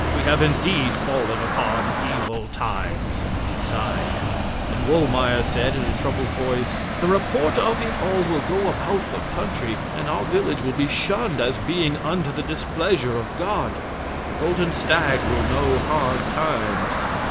We have indeed fallen upon evil times." He sighed, and Wohlmeyer said, in a troubled voice: "The report of it all will go about the country, and our village will be shunned as being under the displeasure of God. The Golden Stag will know hard times."